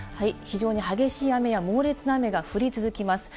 非常に激しい雨や猛烈な雨が降り続きます。